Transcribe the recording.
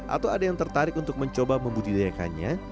atau ada yang tertarik untuk mencoba membudidayakannya